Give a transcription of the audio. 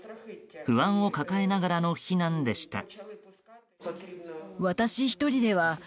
不安を抱えながらの避難でした。